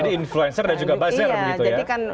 jadi influencer dan juga buzzer begitu ya iya jadi karena